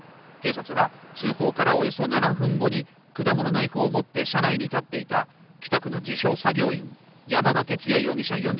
警察は通報からおよそ７分後に果物ナイフを持って車内に立っていた車内に立っていた北区の自称作業員、山田哲也容疑者